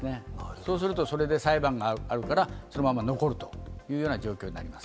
そうするとそれで裁判があるから、そのまま残るというような状況になります。